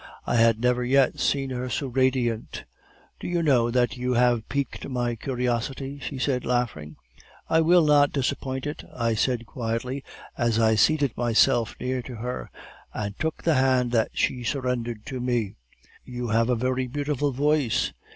I had never yet seen her so radiant. "'Do you know that you have piqued my curiosity?' she said, laughing. "'I will not disappoint it,' I said quietly, as I seated myself near to her and took the hand that she surrendered to me. 'You have a very beautiful voice!